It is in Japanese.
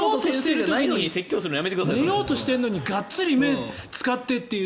寝ようとしている時にがっつり目を使ってっていう。